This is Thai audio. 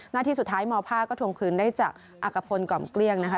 หน้าที่สุดท้ายมภาคก็ทวงคืนได้จากอักกพลกล่อมเกลี้ยงนะคะ